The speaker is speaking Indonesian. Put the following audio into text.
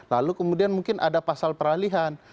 lalu kemudian mungkin ada pasal peralihan